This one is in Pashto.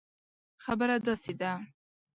خبره داسي ده